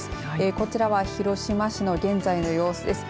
こちらは広島市の現在の様子です。